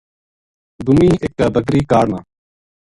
گُمی اِکا بکری کاڑ ما